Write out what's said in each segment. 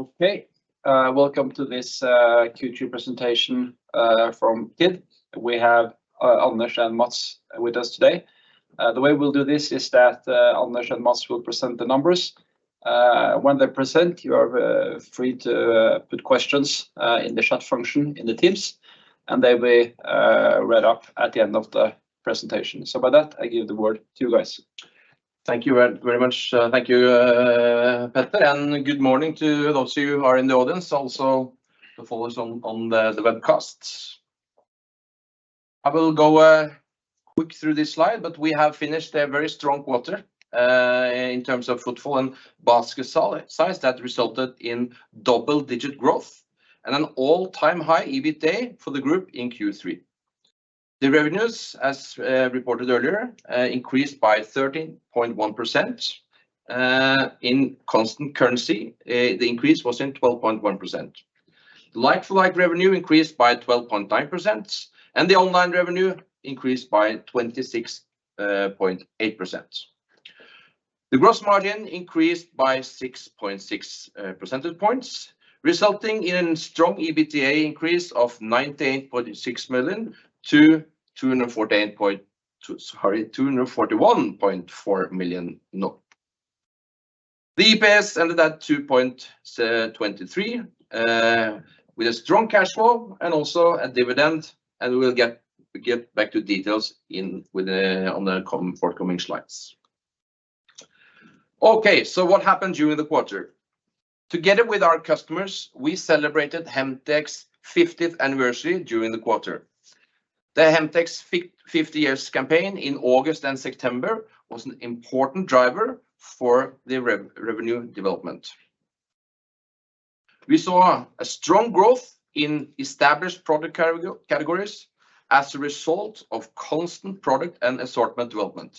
Okay, welcome to this Q3 presentation from Kid. We have Anders and Mads with us today. The way we'll do this is that Anders and Mads will present the numbers. When they present, you are free to put questions in the chat function in the teams, and they will read off at the end of the presentation. So with that, I give the word to you guys. Thank you very, very much. Thank you, Petter, and good morning to those of you who are in the audience, also the followers on, on the, the webcasts. I will go quick through this slide, but we have finished a very strong quarter in terms of footfall and basket size that resulted in double-digit growth and an all-time high EBITDA for the group in Q3. The revenues, as reported earlier, increased by 13.1%. In constant currency, the increase was in 12.1%. Like-for-like revenue increased by 12.9%, and the online revenue increased by 26.8%. The gross margin increased by 6.6 percentage points, resulting in a strong EBITDA increase of 98.6 million to 248 point... Sorry, NOK 241.4 million. The EPS ended at 2.23, with a strong cash flow and also a dividend, and we will get back to details on the coming, forthcoming slides. Okay, so what happened during the quarter? Together with our customers, we celebrated Hemtex 50th Anniversary during the quarter. The Hemtex fifty years campaign in August and September was an important driver for the revenue development. We saw a strong growth in established product categories as a result of constant product and assortment development.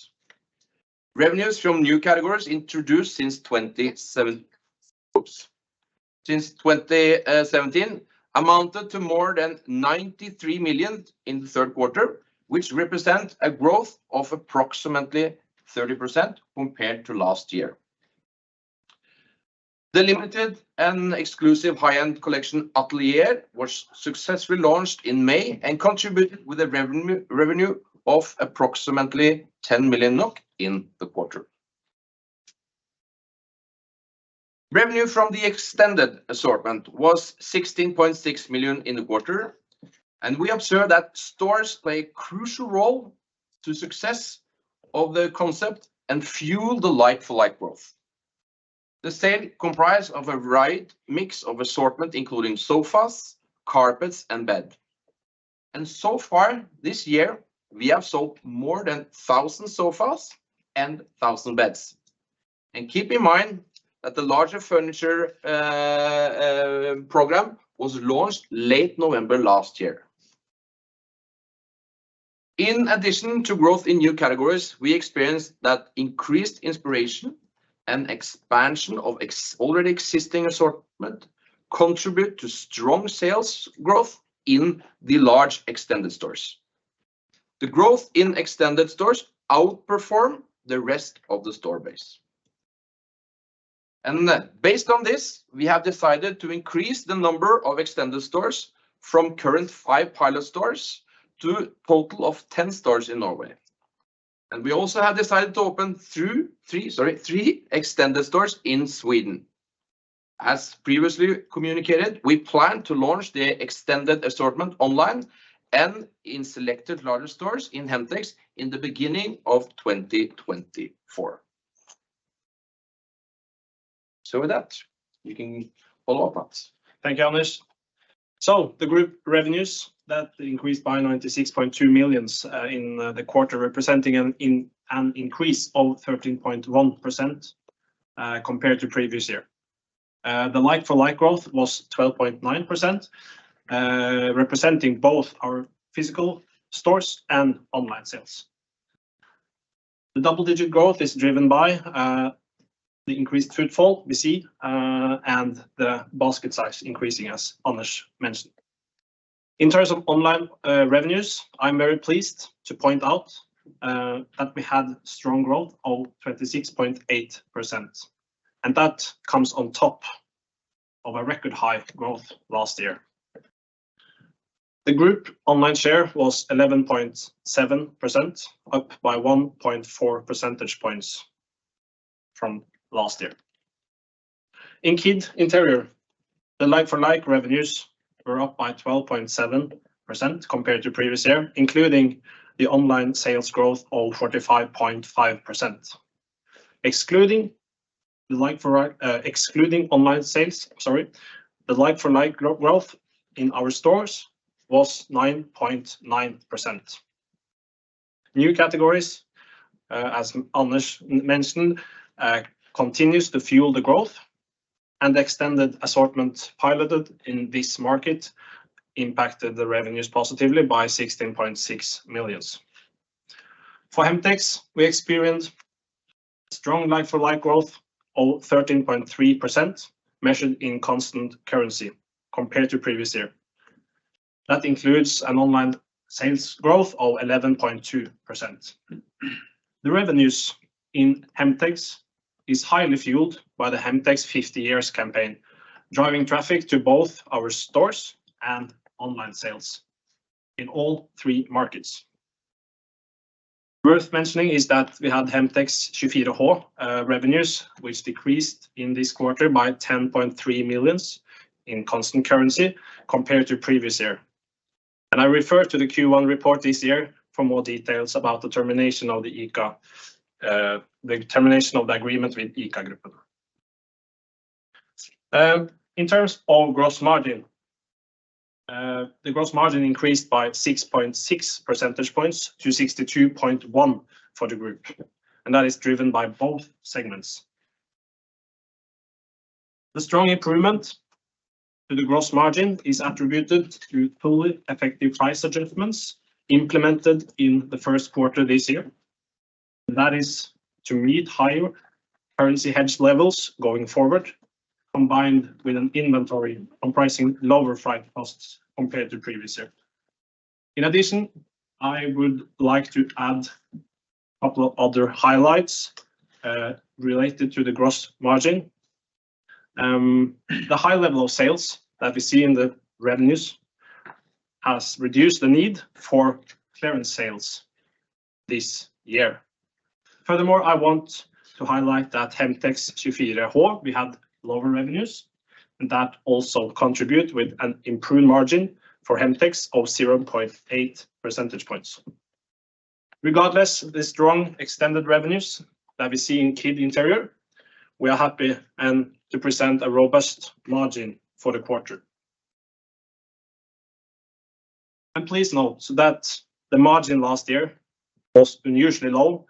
Revenues from new categories introduced since 2017 amounted to more than 93 million in the third quarter, which represent a growth of approximately 30% compared to last year. The limited and exclusive high-end collection, Atelier, was successfully launched in May and contributed with a revenue of approximately 10 million NOK in the quarter. Revenue from the extended assortment was 16.6 million in the quarter, and we observed that stores play a crucial role to success of the concept and fuel the like-for-like growth. The sale comprised of a wide mix of assortment, including sofas, carpets, and bed, and so far this year, we have sold more than 1,000 sofas and 1,000 beds. And keep in mind that the larger furniture program was launched late November last year. In addition to growth in new categories, we experienced that increased inspiration and expansion of already existing assortment contribute to strong sales growth in the large extended stores. The growth in extended stores outperform the rest of the store base. Based on this, we have decided to increase the number of extended stores from current five pilot stores to a total of 10 stores in Norway. We also have decided to open three extended stores in Sweden. As previously communicated, we plan to launch the extended assortment online and in selected larger stores in Hemtex in the beginning of 2024. So with that, you can follow up, Mads. Thank you, Anders. So the group revenues, that increased by 96.2 million in the quarter, representing an increase of 13.1%, compared to previous year. The like-for-like growth was 12.9%, representing both our physical stores and online sales. The double-digit growth is driven by the increased footfall we see and the basket size increasing, as Anders mentioned. In terms of online revenues, I'm very pleased to point out that we had strong growth of 26.8%, and that comes on top of a record high growth last year. The group online share was 11.7%, up by 1.4 percentage points from last year. In Kid Interior, the like-for-like revenues were up by 12.7% compared to previous year, including the online sales growth of 45.5%. Excluding online sales, sorry, the like-for-like growth in our stores was 9.9%. New categories, as Anders mentioned, continues to fuel the growth, and the extended assortment piloted in this market impacted the revenues positively by 16.6 million. For Hemtex, we experienced strong like-for-like growth of 13.3%, measured in constant currency compared to previous year. That includes an online sales growth of 11.2%. The revenues in Hemtex is highly fueled by the Hemtex 50 years campaign, driving traffic to both our stores and online sales in all three markets. Worth mentioning is that we had Hemtex Kjøp Det Her revenues, which decreased in this quarter by 10.3 million in constant currency compared to previous year. I refer to the Q1 report this year for more details about the termination of the agreement with ICA Group. In terms of gross margin, the gross margin increased by 6.6 percentage points to 62.1% for the group, and that is driven by both segments. The strong improvement to the gross margin is attributed to fully effective price adjustments implemented in the first quarter this year. That is to meet higher currency hedge levels going forward, combined with an inventory on pricing, lower freight costs compared to previous year. In addition, I would like to add a couple of other highlights related to the gross margin. The high level of sales that we see in the revenues has reduced the need for clearance sales this year. Furthermore, I want to highlight that Hemtex Kjøp Det Her, we had lower revenues, and that also contribute with an improved margin for Hemtex of 0.8 percentage points. Regardless, the strong extended revenues that we see in Kid Interiør, we are happy and to present a robust margin for the quarter. Please note, so that the margin last year was unusually low,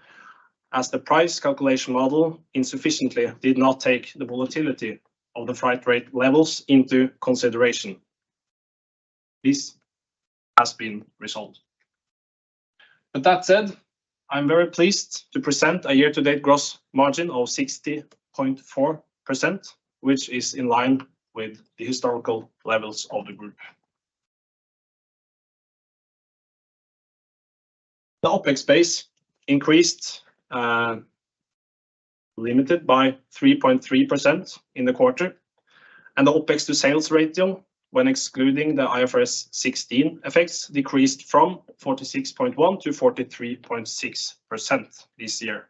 as the price calculation model insufficiently did not take the volatility of the freight rate levels into consideration. This has been resolved. But that said, I'm very pleased to present a year-to-date gross margin of 60.4%, which is in line with the historical levels of the group. The OpEx base increased, limited by 3.3% in the quarter, and the OpEx to sales ratio, when excluding the IFRS 16 effects, decreased from 46.1% to 43.6% this year.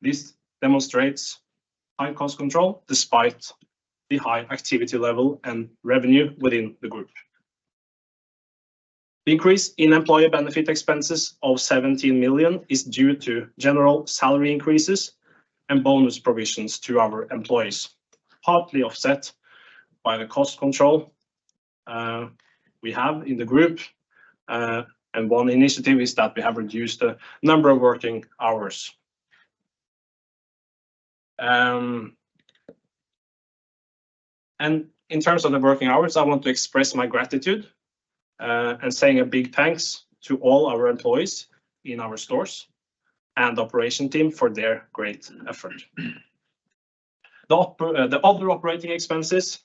This demonstrates high cost control despite the high activity level and revenue within the group. The increase in employee benefit expenses of 17 million is due to general salary increases and bonus provisions to our employees, partly offset by the cost control, we have in the group, and one initiative is that we have reduced the number of working hours. And in terms of the working hours, I want to express my gratitude, and saying a big thanks to all our employees in our stores and operation team for their great effort. The other operating expenses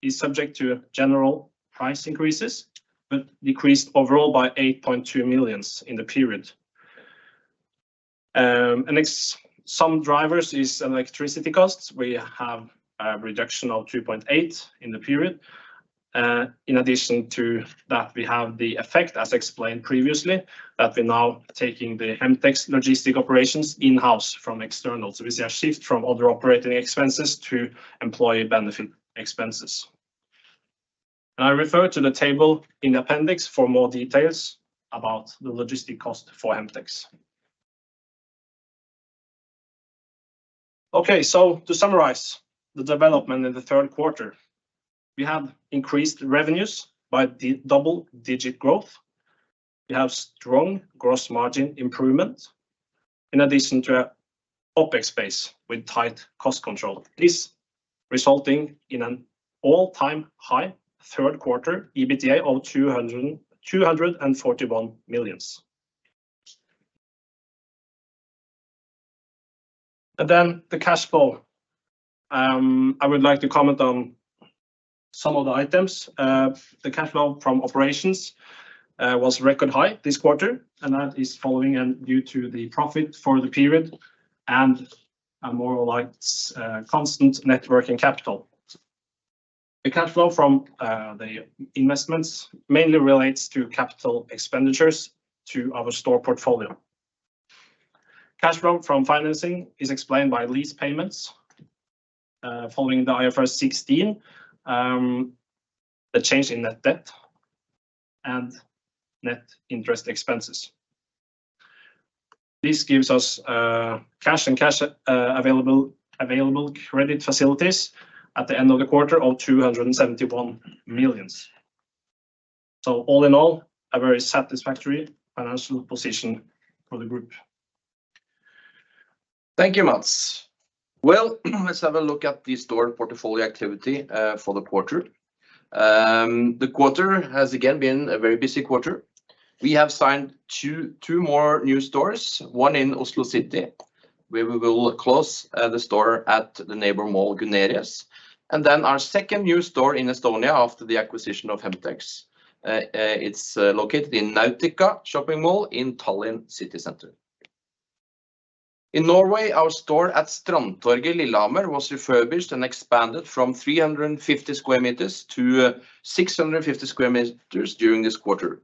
is subject to general price increases, but decreased overall by 8.2 million in the period. And next, some drivers is electricity costs. We have a reduction of 2.8 million in the period. In addition to that, we have the effect, as explained previously, that we're now taking the Hemtex logistics operations in-house from external. So it's a shift from other operating expenses to employee benefit expenses. And I refer to the table in appendix for more details about the logistics cost for Hemtex. Okay, so to summarize the development in the third quarter, we have increased revenues by the double-digit growth. We have strong gross margin improvement. In addition to a OpEx base with tight cost control, this resulting in an all-time high third quarter EBITDA of 241 million. Then the cash flow. I would like to comment on some of the items. The cash flow from operations was record high this quarter, and that is following and due to the profit for the period and a more or like constant working capital. The cash flow from the investments mainly relates to capital expenditures to our store portfolio. Cash flow from financing is explained by lease payments, following the IFRS 16, the change in net debt and net interest expenses. This gives us cash and available credit facilities at the end of the quarter of 271 million. So all in all, a very satisfactory financial position for the group. Thank you, Mads. Well, let's have a look at the store portfolio activity for the quarter. The quarter has again been a very busy quarter... We have signed two more new stores, one in Oslo City, where we will close the store at the neighbor mall, Gunerius. Then our second new store in Estonia after the acquisition of Hemtex. It's located in Nautica Shopping Mall in Tallinn city center. In Norway, our store at Strandtorget, Lillehammer, was refurbished and expanded from 350 square meters to 650 square meters during this quarter.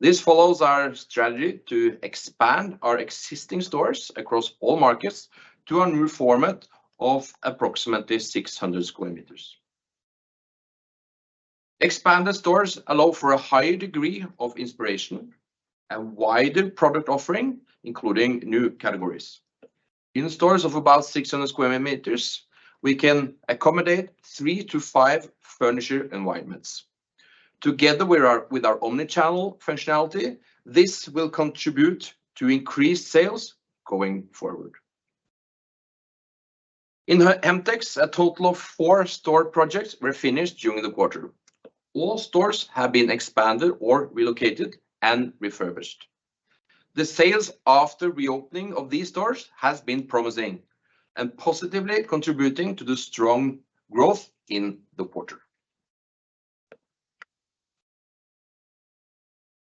This follows our strategy to expand our existing stores across all markets to a new format of approximately 600 square meters. Expanded stores allow for a higher degree of inspiration and wider product offering, including new categories. In stores of about 600 square meters, we can accommodate three to five furniture environments. Together with our omni-channel functionality, this will contribute to increased sales going forward. In Hemtex, a total of four store projects were finished during the quarter. All stores have been expanded or relocated and refurbished. The sales after reopening of these stores has been promising and positively contributing to the strong growth in the quarter.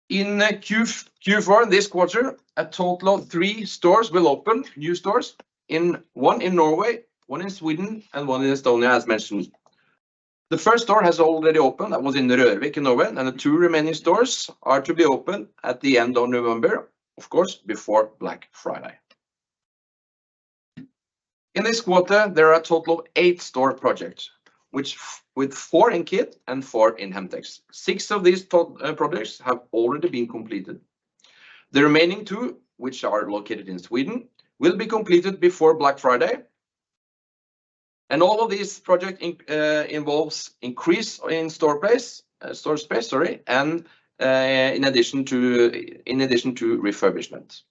In Q4, this quarter, a total of three stores will open, new stores, one in Norway, one in Sweden, and one in Estonia, as mentioned. The first store has already opened, that was in the Rørvik in Norway, and the two remaining stores are to be open at the end of November, of course, before Black Friday. In this quarter, there are a total of eight store projects, which with four in Kid and four in Hemtex. Six of these projects have already been completed. The remaining two, which are located in Sweden, will be completed before Black Friday. And all of these projects involves increase in store base, store space, sorry, and, in addition to, in addition to refurbishment.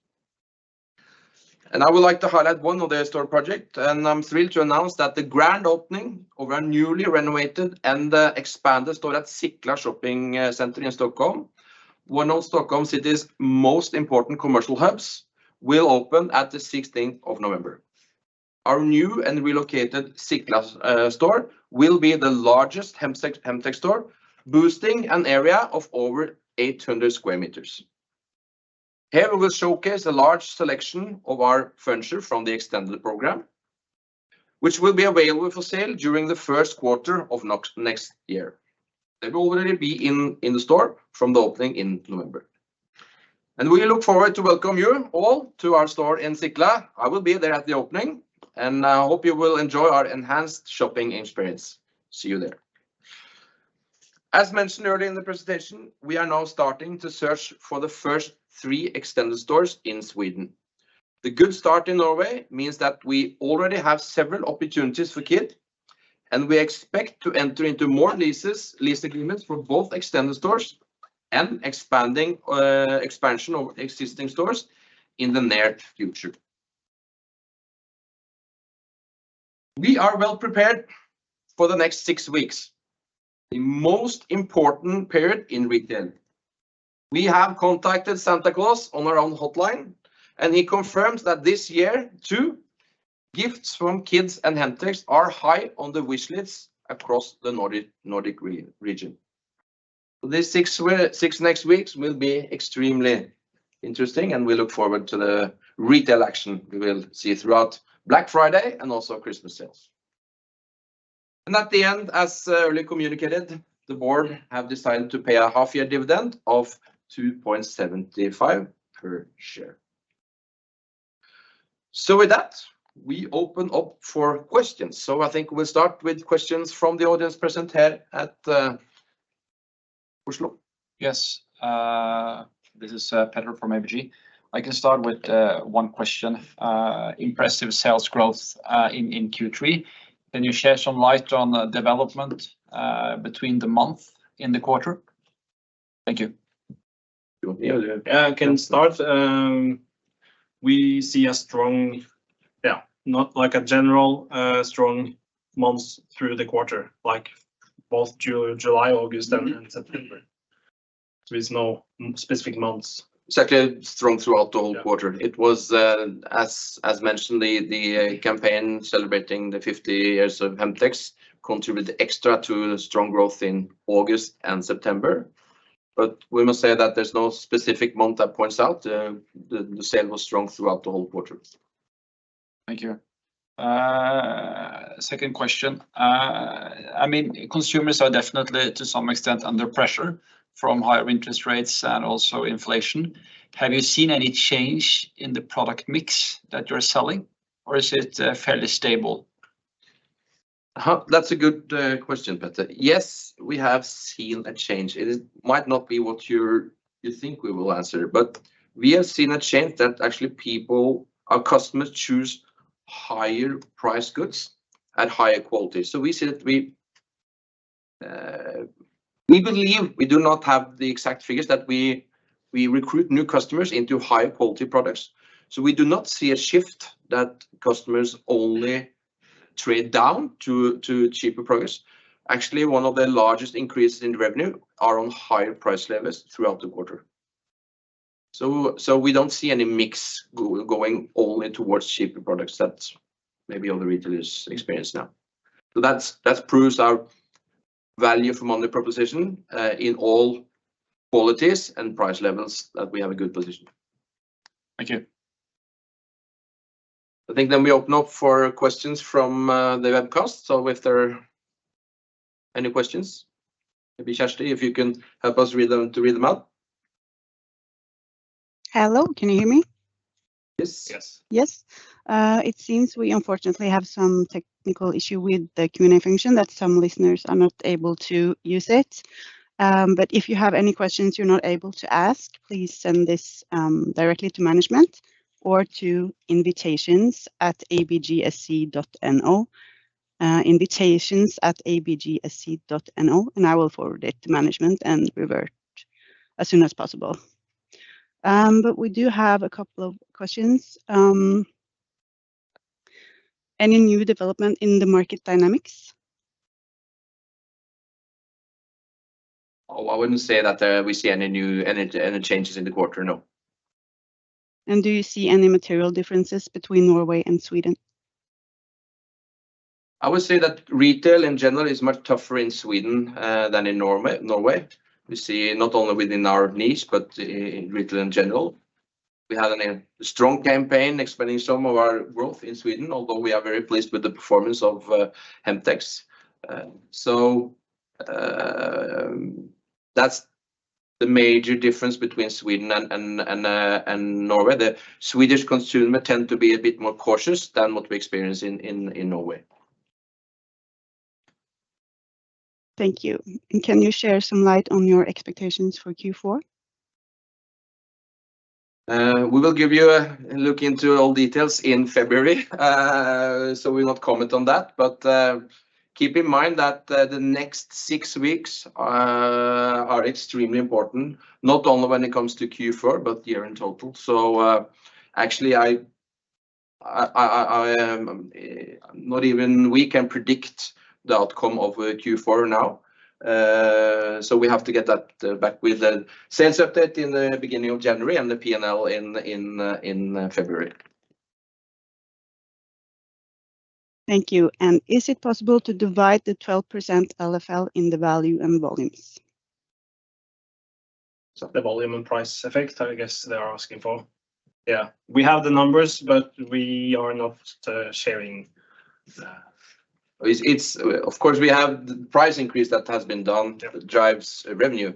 And I would like to highlight one of the store projects, and I'm thrilled to announce that the grand opening of our newly renovated and expanded store at Sickla Shopping Center in Stockholm, one of Stockholm's city's most important commercial hubs, will open at the November 16th. Our new and relocated Sickla store will be the largest Hemtex store, boasting an area of over 800 square meters. Here, we will showcase a large selection of our furniture from the extended program, which will be available for sale during the first quarter of next, next year. They will already be in, in the store from the opening in November. We look forward to welcome you all to our store in Sickla. I will be there at the opening, and I hope you will enjoy our enhanced shopping experience. See you there. As mentioned earlier in the presentation, we are now starting to search for the first three extended stores in Sweden. The good start in Norway means that we already have several opportunities for Kid, and we expect to enter into more leases, lease agreements for both extended stores and expanding, expansion of existing stores in the near future. We are well prepared for the next six weeks, the most important period in retail. We have contacted Santa Claus on our own hotline, and he confirms that this year, too, gifts from Kid's and Hemtex are high on the wish lists across the Nordic region. These six next weeks will be extremely interesting, and we look forward to the retail action we will see throughout Black Friday and also Christmas sales. At the end, as really communicated, the board have decided to pay a half-year dividend of 2.75 per share. With that, we open up for questions. I think we'll start with questions from the audience present here at Oslo. Yes. This is Petter from ABG. I can start with one question. Impressive sales growth in Q3. Can you share some light on the development between the month and the quarter? Thank you. You can start. We see a strong, not like a general, strong months through the quarter, like both July, July, August, and September. There is no specific months. Secondly, strong throughout the whole quarter. Yeah. It was, as mentioned, the campaign celebrating the 50 years of Hemtex contributed extra to the strong growth in August and September. But we must say that there's no specific month that points out. The sale was strong throughout the whole quarter. Thank you. Second question. I mean, consumers are definitely, to some extent, under pressure from higher interest rates and also inflation. Have you seen any change in the product mix that you're selling, or is it fairly stable? That's a good question, Petter. Yes, we have seen a change. It might not be what you think we will answer, but we have seen a change that actually people, our customers, choose higher price goods and higher quality. So we see that we believe, we do not have the exact figures, that we recruit new customers into higher quality products. So we do not see a shift that customers only trade down to cheaper products. Actually, one of the largest increases in revenue are on higher price levels throughout the quarter. So we don't see any mix going only towards cheaper products that maybe other retailers experience now. So that proves our value proposition in all qualities and price levels, that we have a good position. Thank you. I think then we open up for questions from the webcast. So if there are any questions, maybe Kirsty, if you can help us read them, to read them out? Hello, can you hear me? Yes. Yes. Yes. It seems we unfortunately have some technical issue with the Q&A function, that some listeners are not able to use it. But if you have any questions you're not able to ask, please send this directly to management or to invitations@abgsc.no. invitations@abgsc.no, and I will forward it to management and revert as soon as possible. But we do have a couple of questions. Any new development in the market dynamics? Oh, I wouldn't say that, we see any changes in the quarter, no. Do you see any material differences between Norway and Sweden? I would say that retail in general is much tougher in Sweden than in Norway. We see not only within our niche, but in retail in general. We had a strong campaign expanding some of our growth in Sweden, although we are very pleased with the performance of Hemtex. So that's the major difference between Sweden and Norway. The Swedish consumer tend to be a bit more cautious than what we experience in Norway. Thank you. Can you share some light on your expectations for Q4? We will give you a look into all details in February, so we'll not comment on that. But keep in mind that the next six weeks are extremely important, not only when it comes to Q4, but the year in total. So actually, I am not even we can predict the outcome of Q4 now. So we have to get that back with the sales update in the beginning of January and the P&L in February. Thank you. Is it possible to divide the 12% LFL in the value and volumes? So the volume and price effect, I guess they are asking for. Yeah, we have the numbers, but we are not sharing the- Of course, we have the price increase that has been done- Yeah... drives revenue.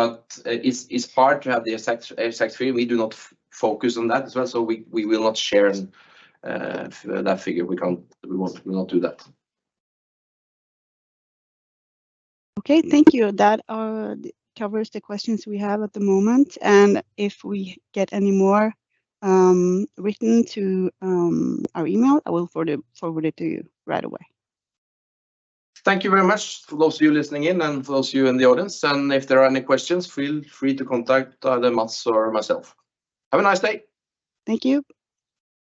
But it's hard to have the exact figure. We do not focus on that as well, so we will not share that figure. We can't, we won't, we'll not do that. Okay, thank you. That covers the questions we have at the moment, and if we get any more written to our email, I will forward it to you right away. Thank you very much for those of you listening in and for those of you in the audience, and if there are any questions, feel free to contact either Mads or myself. Have a nice day. Thank you.